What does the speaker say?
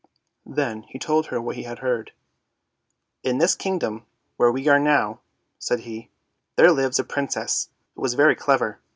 Then he told her what he had heard. " In this kingdom where we are now," said he, " there lives a Princess who is very clever.